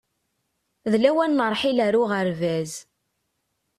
D lawan n ṛṛḥil ar uɣerbaz.